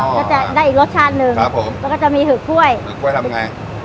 ก็จะได้อีกรสชาติหนึ่งครับผมแล้วก็จะมีหึกกล้วยหึกกล้วยทำไง